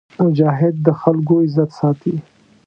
مجاهد د خلکو عزت ساتي.